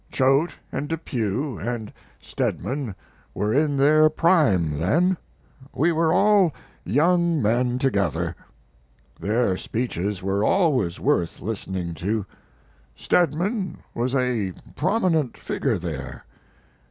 Choate and Depew and Stedman were in their prime then we were all young men together. Their speeches were always worth listening to. Stedman was a prominent figure there.